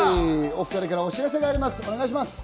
お２人からお知らせがあります。